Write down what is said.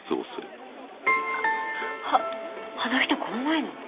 あっあの人この前の。